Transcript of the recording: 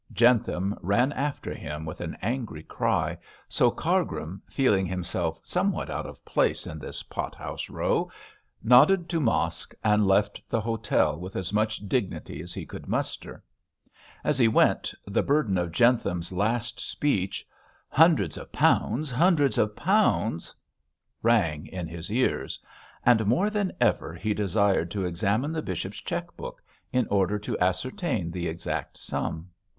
Jentham ran after him with an angry cry, so Cargrim, feeling himself somewhat out of place in this pot house row, nodded to Mosk and left the hotel with as much dignity as he could muster. As he went, the burden of Jentham's last speech 'hundreds of pounds! hundreds of pounds!' rang in his ears; and more than ever he desired to examine the bishop's cheque book, in order to ascertain the exact sum.